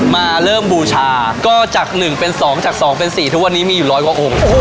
มาเริ่มบูชาก็จากหนึ่งเป็นสองจากสองเป็นสี่ทุกวันนี้มีอยู่ร้อยกว่าองค์